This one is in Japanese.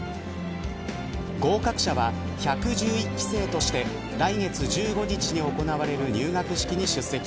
合格者は１１１期生として来月１５日に行われる入学式に出席。